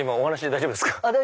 大丈夫です。